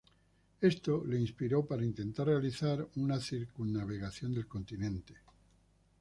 Esto le inspiró para intentar realizar el una circunnavegación del continente.